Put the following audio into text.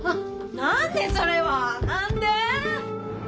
何ねそれは何で？